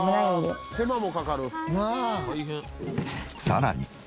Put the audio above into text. さらに。